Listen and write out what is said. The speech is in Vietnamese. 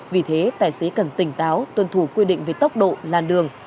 vì thế tài xế cần tỉnh táo tuân thủ quy định về tốc độ làn đường